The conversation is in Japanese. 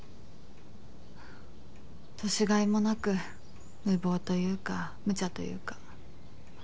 年甲斐もなく無謀というか無茶というか。